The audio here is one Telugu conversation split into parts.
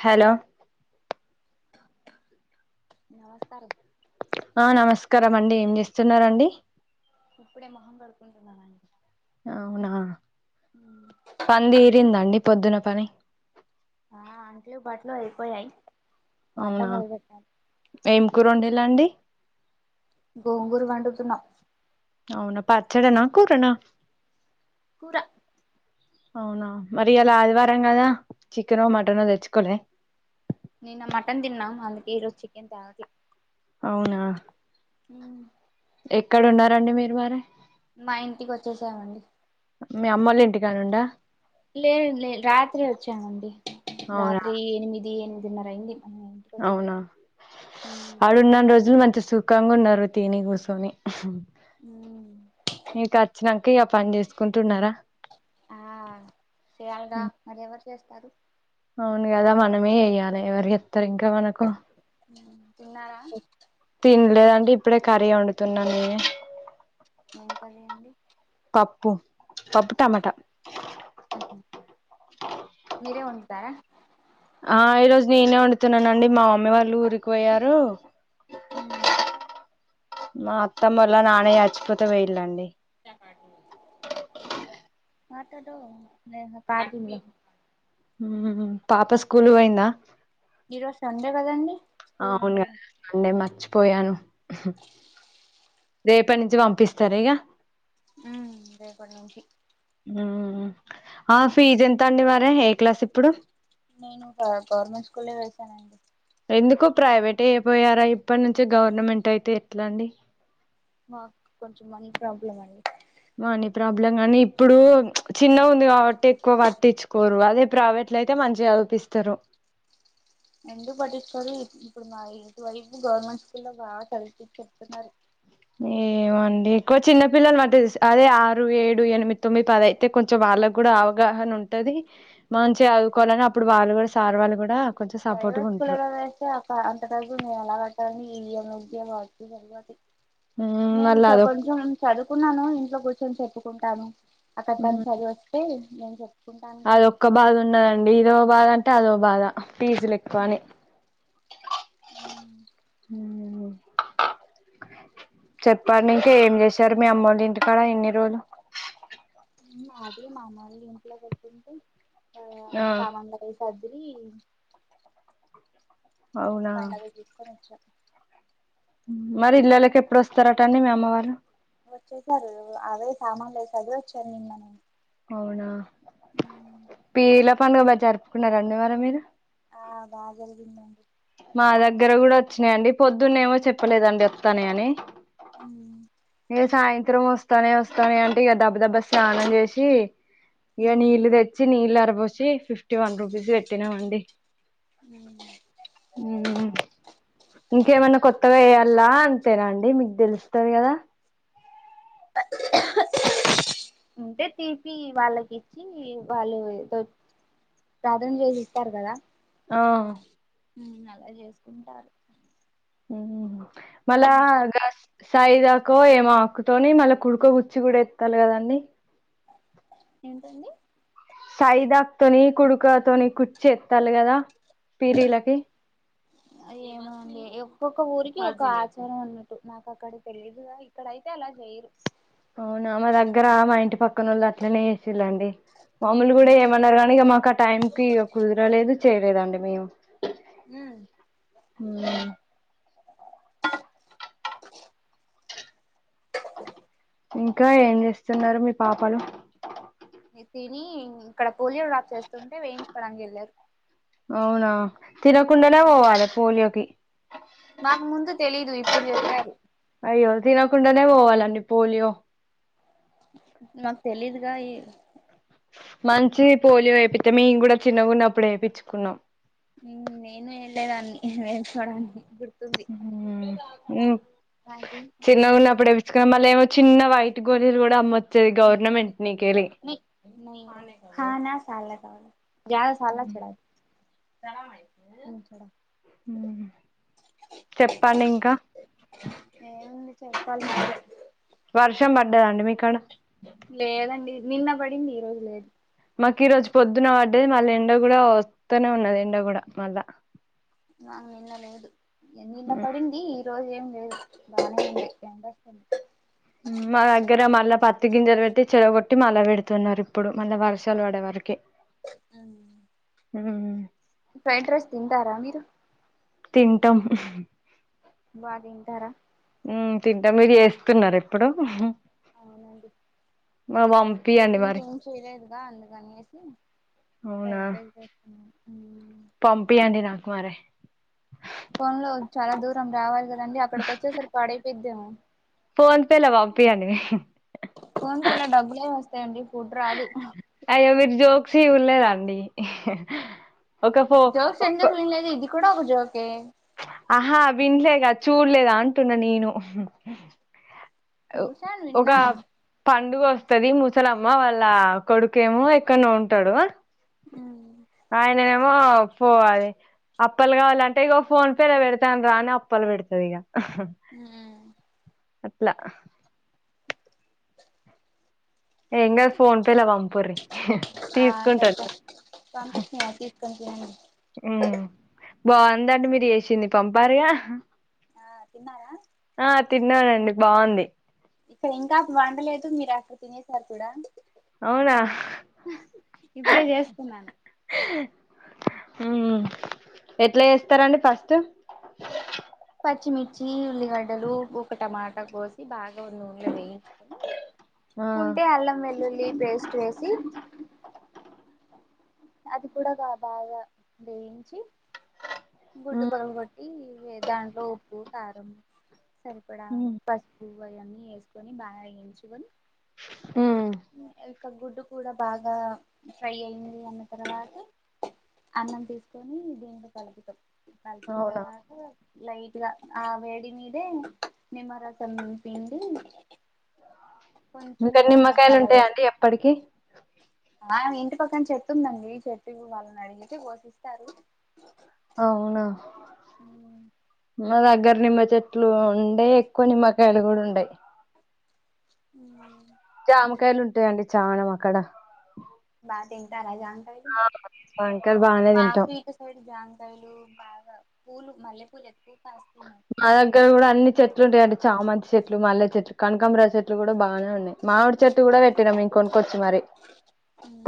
హలో నమస్కారం ఆ నమస్కారం అండి ఏం చేస్తున్నారండి ఇప్పుడే మహంకడుకుంటున్ననండి అవునా పనితీరిందా అండి పొద్దున పని ఆ అంట్లు బట్టలు అయిపోయాయి వంట అవునా మొదలు పెట్టాలి ఏం కూరవండి లే అండి గోంగూరు వండుతున్నావ్ అవును పచ్చడ నా కూరనా కూర అవునా మరి యియలా ఆదివారం కదా చికెనో మటనో తెచ్చుకోలే నిన్న మటన్ తిన్నాం అందుకే ఈరోజు చికెన్ త్యవట్ల అవునా హు మ్ ఎక్కడ ఉన్నారండి మీరు మరి మా ఇంటికి వచ్చేసాం అండి మీ అమ్మోళ్ల ఇంటికాడ నుండ లేలే రాత్రి వచ్చామండి అవునా రాత్రి ఎనిమిది ఎనిమిదిన్నర అయింది ఆ అవునా ఆడ ఉన్నన్ని రోజులు మంచి సుఖంగా ఉన్నారు తిని కూర్చొని అహం మిగతా వచ్చినాక ఇక పని చేసుకుంటున్నారా ఆ చేయాలిగా మరి ఎవరు చేస్తారు అవును కదా మనమే ఎయ్యాలి ఎవరు చెప్తారు ఇంకా మనకు ఉ తిన్నారా తిన్ లేదండి ఇప్పుడే కర్రీ వండుతున్నా నీనే ఏం కర్రీ అండి పప్పు పప్పు టమాటా హామ్ మీరే వండుతారా ఆ ఈ రోజు నేనే వండుతున్నానండి మా మమ్మీ వాళ్ళు ఊరికి పోయారు మా అత్తమ్మళ్ల నానయ్య అచిపోతే పోయిలండీ మట్టాడు నేనా పార్కింగ్ లో ఉమ్ పాప స్కూలు పోయిందా ఈ రోసు సండేకదండి అవును కదా మండే మర్చిపోయాను హు రేపటి నుంచి పంపిస్తారు ఇగ ఉమ్ రేపటి నుంచి ఉమ్ ఆ ఫీజ్ ఎంత అండి మరే ఏ క్లాస్ ఇప్పుడు నేను ఒక గవర్నమెంట్ స్కూల్లొ వెసానండి ఎందుకు ప్రైవేటె ఎయపోయారా ఇప్పటి నుంచి గవర్నమెంట్ అయితే ఎట్లా అండి మాక్ కొంచెం మనీ ప్రాబ్లం అండి మనీ ప్రాబ్లమ్ కాగానీ ఇప్పుడు చిన్న ఉంది కాబట్టి ఎక్కువ పట్టించుకోరు అదే ప్రైవేట్ ఆట్లయితే మంచిగా చుదువుపిస్తారు ఎందుకు పట్టించకోరు ఇప్పుడు మా ఇటు వైపు గవర్నమెంట్ స్కూల్ లో బాగా చదివిపి చేప్తున్నారు ఏమో అండి ఎక్కువ చిన్న పిల్లలు మాటు అదే ఆరు, ఏడు, ఎనిమిది, తొమ్మిది, పది తే కొంచెం వాళ్ళకు కూడా అవగాహన ఉంటది మంచిగా చదువుకోవాలని అప్పుడు వాళ్ళు కూడా సార్ వాళ్ళు కూడా కొంచెం సపోర్ట్గా ప్రైవేట్ స్కూల్‌ ఉంటారు లొ వేస్తే ఆఫ్ అంత చదువు మేము ఎలా కట్టాలీ [unintelligible] నేను మళ్ళీ అదొ కొంచెం చదువుకున్నాను ఇంట్లో కూర్చొని చెప్పుకుంటాను అక్కడ తన్‌ చదివివస్తే నేను చెప్ అది ఒక్క బాధ ఉన్నదండి ఇదో బాధ అంటే అదో బాధ పీజులు ఎక్కువని ఉమ్ చెప్పడి ఇంకా ఏం చేసారు మీ అమ్మ వాళ్ళ ఇంటికాడ ఇన్ని రోజులు అదే మా మరిది ఇంట్లో వెళ్తుంటే ఆ సామాన్ల కేసి కదిరి అవునా పండగ చూసుకొని వచ్చాం మరి ఇల్లలోకి ఎప్పుడు వస్తారాంట అండి మీ అమ్మ వాళ్ళు వచ్చేసారు అవే సామాన్లు అవి సర్ది వచ్చాను నేను అవునా పిర్లా పండుగ బా జరుపుకున్నారండి మరి మీరు ఆ బాగా జరిగింది అండి మా దగ్గర కూడా వచ్చినాయండి పొద్దున్న ఏమో చెప్పలేదండి వత్తన్నయ్ అని హు ఇగ సాయంత్రం వస్తానే వస్తానే అంటే ఇక దబ దబ స్నానం చేసి ఇగ నీళ్లు తెచ్చి వచ్చి నీళ్ళ అర పోసి ఫిఫ్టీ వన్ రూపీస్ పెట్టినాం అండి ఉ ఊ ఇంకేమన్నా కొత్తగా వేయాల్ల అంతేనా అండి మీకు తెలుస్తది కదా ఉంటే తీపి వాళ్ళకి ఇచ్చి వాళ్ళు ఏదో సాధం చేసి ఇస్తారు కదా ఆ ఉ అలా చేసుకుంటారు ఉ మళ్ళా గాస్ సాయిదాకో ఏమో ఆకుతోని మళ్ళీ కుడుకో గుచ్చి కూడా ఎస్తాలి కదండి ఏంటండి సైదక్ తోని కుడుక తోని కుర్చి ఎత్తలు కదా పిరీలకి ఏమో అండి ఒక్కొక్క ఊరికి ఒక ఆచారం ఆన్నట్టు నాకు అక్కడకి తెలిదుగా ఇక్కడైతే అలా చేయరు అవునా మా దగ్గర మా ఇంటి పక్కన వాళ్ళు అట్లనే చేసళ్ళు అండి మాములు కూడా ఏమన్నారు ఇగ మాకు ఆ టైం కి కుదరలేదు చేయలేదండి మేము ఊ ఉ ఉమ్, ఇంకా ఏం చేస్తున్నారు మీ పాపలు ఇది తిని ఇక్కడ పోలియో డ్రాప్ వేస్తుంటే వేయించుకోడానికి వెళ్ళారు అవునా తినకుండానే పోవాలే పోలియోకి నాకు ముందు తెలీదు ఇప్పుడు చెప్పారు అయ్యో తినకుండానే పోవాలండి పోలియో నాకు తెలిదుగా ఏ మంచి పోలియో వేపిత్తే మేము కూడా చిన్నగున్న అప్పుడు వేయించుకున్నాం నేను వెళ్ళేదాన్ని న వే చూడాన్ని త [unintelligible] ఇ మళ్ళ ఏమో చిన్న వైట్ గోలీలు కూడా అమ్మచ్చు హ నా [unintelligible] [unintelligible] గదా సాల చెడ హు చెప్పండి ఇంకా ఏముంది చెప్పాలి మీరే వర్షం పడ్డదాండి మీకాడా లేదండి నిన్న పడింది ఈ రోజు లేదు మాకు ఈ రోజు పొద్దున్న పడ్డది మళ్ళీ ఎండ కూడా వస్తూనే ఉన్నది ఎండ కూడా మళ్ళా నాగ్ నిన్న లేదు నిన్న పడింది ఈరోజు ఏమి లేదు బాగానే ఎండ వస్తుంది మా దగ్గర మళ్ళా పత్తి గింజలు పెట్టి చెడకొట్టి మళ్ళా పెడుతున్నారు ఇప్పుడు మళ్ళా వర్షాలు పడే వరికే ఉ హ్మ్మ్ ఫ్రైడ్ రైస్ తింటారా మీరు తింటాం బా తింటారా ఉ తింటా మీరు చేస్తున్నారా ఇప్పుడు అవునండి పంపియండి టిఫిన్కి మరి ఏం చేయలేదుగా అందుకనేసి అవునా ఫైడ్ రైస్ చేసుకున్నాం ఊ పంపియండి నాకు మరి ఫోన్ లో చాలా దూరం రావాలి కదండి అక్కడికి వచ్చేసరి పాడైపోద్దేమో ఫోన్ పే లో పంపియండి ఫోన్ పే లో డబ్బులే వస్తాయండి ఫుడ్ రాదు అయ్యో మీరు జోక్స్ ఉ లేదండి జోక్స్ ఎందుకు వినలేదు ఇది కూడా ఒక జోకే ఆహా విన్లే గా చూడలే గా అంటున్నా నేను చూసాను ఒక విన్నాను పండుగ వస్తది ముసలమ్మ వాళ్ళ కొడుకేమో ఎక్కడనో ఉంటాడు ఉ ఆయననేమో పో అని అప్పలు కావాల అంటే ఇక ఫోన్ పే లో పెడతాను రా అని అప్పలు పెడతది ఇక హు అట్లా ఏం కాదు ఫోన్ పే లో పంపురీ తీసుకుంటాను పంపించిన తీసుకొని తినండి ఉ బాగుందండి మీరు చేసింది పంపారుగా ఆ తిన్నావా ఆ తిన్నానండి బాగుంది ఇక్కడ ఇంకా వండలేదు మీరు అక్కడ తినేసారు కూడా అవునా ఇప్పుడే చేసుకున్నాను హు ఎట్లా చేస్తారండి ఫస్ట్ అ పచ్చిమిర్చి ఉల్లిగడ్డలు ఒక టమాటా కోసి బాగా నూనెలో వేయించి ఆ ఉంటే అల్లం వెల్లుల్లి పేస్ట్ వేసి అది కూడా గా బాగా వేయించి గుడ్డు ఉమ్ పగలు కొట్టి వె దాంట్లో ఉప్పు కారం సరిపడా పసుపు అవి అన్నీ వేసుకొని బాగా వేయించుకొని ఉమ్ ఇకా గుడ్డు కూడా బాగా ఫ్రై అయింది అన్న తర్వాత అన్నం తీసుకొని దీంట్లో కలిపుతం కలిపిన అవునా తర్వాత లైట్ గా ఆ వేడి మీదే నిమ్మరసం పిండి కొంచెం ఇంకా గరం నిమ్మకాయలు మసాలా ఉంటాయండి వేస్తాం ఎప్పడికి ఆ ఇంటి పక్కన చెట్టుందండి చెట్టు లో వాళ్ళని అడిగితే కోషిస్తారు అవునా అవును మా దగ్గర నిమ్మ చెట్లు ఉండయి ఎక్కువ నిమ్మకాయలు కూడా ఉండయి ఉమ్ జామకాయలు ఉంటాయండి చాలా మా అక్కడ బా తింటారా జామకాయి అంకల్ బానే తింటావు జాంకాయలు బాగా పూలు మల్లె పూలు ఎక్కువ కాస్ట్లీ ఉన్నాయి మా దగ్గర కూడా అన్ని చెట్లు ఉంటాయి అండి చామంతి చెట్లు మల్లె చెట్లు కనకాంబరా చెట్లు కూడా బానే ఉన్నాయి మామిడి చెట్టు కూడా పెట్టినం ఇం కొనుక్కొచ్చి మరి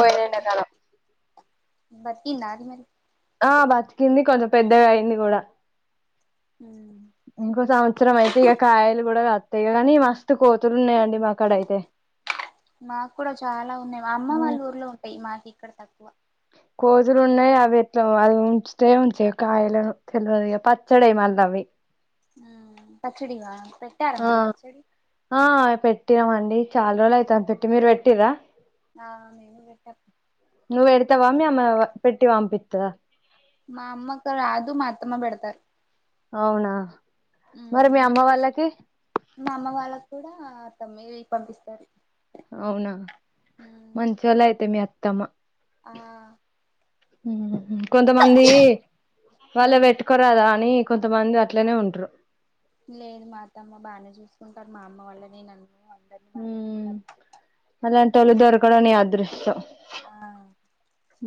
పోయే ఎండాకాలం బతికిందా అది మరి ఆ బతికింది కొంచెం పెద్దగా అయింది కూడా ఉమ్ ఇంకో సంవత్సరం అయితే ఇక కాయలు కూడా వత్తాయి కానీ మస్ త కోతులు ఉన్నాయండి మాకాడ అయితే మాకు కూడా చాలా ఉన్నాయి మా అమ్మ ఉమ్. వాళ్ళ ఊర్లో ఎవి మాకిక్కడ తక్కువ కోజులు ఉన్నాయి అవి ఎట్ల వాళ్ళని ఉంచుతాయో ఉంచ్చవో కాయలను తెలివది గా పచ్చడ ఏయిమన్నవి ఆ పచ్చడివా పెట్టారా ఆ మరి పచ్చడి ఆ పెట్టినామండి చాలా రోజులు అయితుంద్ పెట్టి మీరు పెట్టిర్రా ఆ మేము పెట్టాం నువ్వు పెడతావా మి అమ్మ వ పెట్టి పంపిత్తదా మా అమ్మక్క రాదు మా అత్తమ్మ పెడతారు అవునా మరి మీ అమ్మ వాళ్ళకి మా అమ్మ వాళ్ళకి కూడా అత్తమే ఇవి పంపిస్తది అవునా మంచి వాళ్ళ అయితే మీ అత్తమ్మ ఆ కొంతమంది వాళ్ళ పెట్టుకోరాదా అని కొంతమంది అట్లనే ఉంట్రు లేదు మా అత్తమ్మ బానే చూసుకుంటారు మా అమ్మ వాళ్ళని నన్ను అన్ని ఉమ్ అలాంటోళ్ళు దొరకడం నీ అదృష్టం ఆ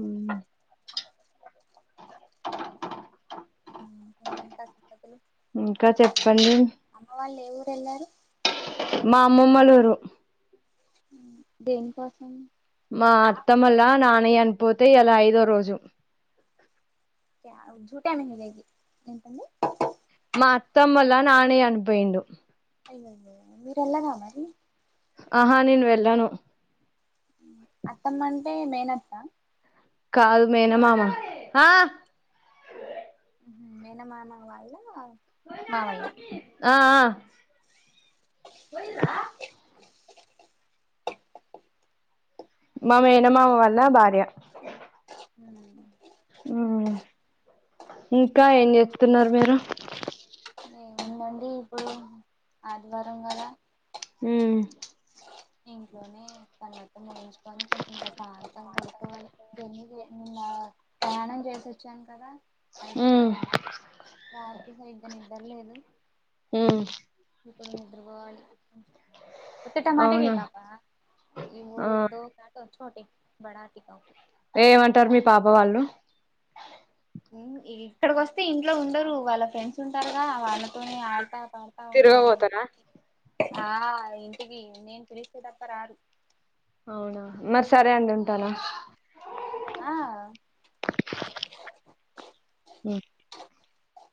ఉమ్ ఇంకా సంగతులు ఇంకా చెప్పండి అమ్మ వాళ్ళు ఏ ఊరు వెళ్ళారు మా అమ్మమ్మోల్ల ఊరు ఉమ్ దేనికోసం మా అత్తమోల్లా నాన్న చనిపోతే ఇయాల ఐదోరోజు కియా జూటానికి మీద ఇది ఎంటండి మా అత్తమ్మోలా నాన్న చనిపోయిండు అయ్యో అయ్యో మీరు వెళ్ళరా మరి ఆహా నేను వెళ్ళను అత్తమ్మ అంటే మేనత్త కాదు మేనమామ ఆ మేనమామ వాళ్ళ మావయ్య ఆ ఆ పోయిర్రా మామేనమామ వాల్ల భార్య ఉ ఇంకా ఏం చేస్తున్నారు మీరు ఏముదండి ఇప్పుడు ఆదివారం కదా ఉమ్ ఇంట్లోనే తనిత్తం ముయించుకొని కొంచెం ప్రశాంతంగా పడుకోవాలి జర్నీ చే నిన్న ప్రయాణం చేసి వచ్చాను కదా ఉమ్ అలిసిపోయాను రాత్రి సరిగ్గా నిద్దర లేదు ఉమ్ ఇప్పుడు నిద్రపోవాలి ఒకత్తతే టమాటే అవునా వీకాపా ఈ ఆ దో కట రోటీ బడా ఓటీపీ చెప్పడానికి ఇదో ఏమంటారు మీ పాప వాళ్ళు ఉమ్ ఇక్కడికిస్తే ఇంట్లో ఉండరు వాళ్ళ ఫ్రెండ్స్ ఉంటారుగా వాళ్ళ తోని ఆడతా పాడతా ఉంటారు తిరగబోతారా ఆ ఇంటికి నేను పిలిస్తే తప్ప రారు అవునా మరి సరే అండి ఉంటానా ఆ ఉమ్